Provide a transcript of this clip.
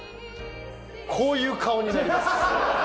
こういう顔になります。